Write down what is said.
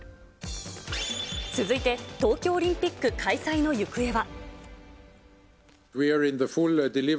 続いて、東京オリンピック開催の行方は。